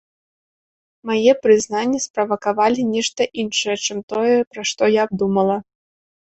Мае прызнанні справакавалі нешта іншае, чым тое, пра што я думала.